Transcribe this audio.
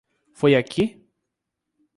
Foi aqui?